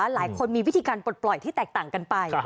หลายคนมีวิธีการปลดปล่อยที่แตกต่างกันไป